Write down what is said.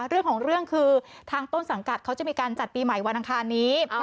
เรื่องของเรื่องคือทางต้นสังกัดเขาจะมีการจัดปีใหม่วันอังคารนี้